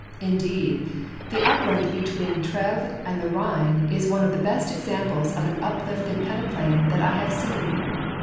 Indeed, the upland between Treves and the Rhine is one of the best examples of an uplifted peneplain that I have seen.